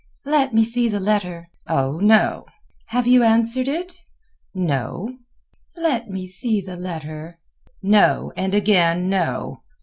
"Let me see the letter." "Oh, no." "Have you answered it?" "No." "Let me see the letter." "No, and again, no."